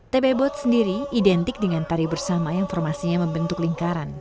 tb bot sendiri identik dengan tari bersama yang formasinya membentuk lingkaran